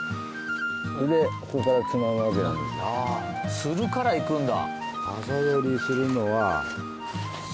ツルからいくんだ。